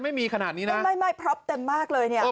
ไม่มีขนาดนี้นะไม่ไม่เพราะเต็มมากเลยเนี่ย